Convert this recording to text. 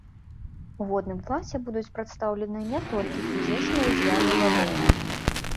У водным класе будуць прадстаўлены не толькі фізічныя з'явы вады.